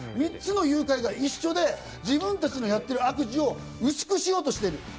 ３つの誘拐が一緒で自分たちのやってる悪事を薄くしようとしている。